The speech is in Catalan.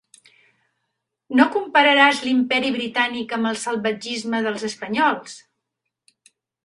No compararàs l'imperi britànic amb el salvatgisme dels espanyols!